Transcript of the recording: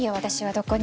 どこにも。